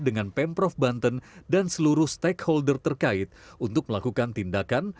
dengan pemprov banten dan seluruh stakeholder terkait untuk melakukan tindakan